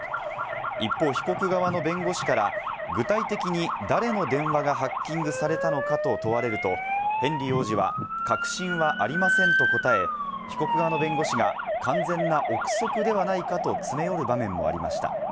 一方、被告側の弁護士から具体的に誰の電話がハッキングされたのかと問われると、ヘンリー王子は、確信はありませんと答え、被告側の弁護士が完全な臆測ではないかと詰め寄る場面もありました。